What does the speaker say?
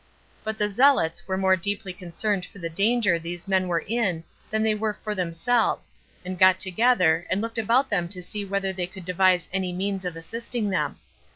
But the zealots were more deeply concerned for the danger these men were in than they were for themselves, and got together, and looked about them to see whether they could devise any means of assisting them.